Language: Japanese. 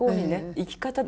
生き方。